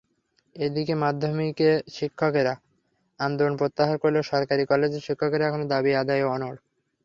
এদিকে মাধ্যমিক শিক্ষকেরা আন্দোলন প্রত্যাহার করলেও সরকারি কলেজের শিক্ষকেরা এখনো দাবি আদায়ে অনড়।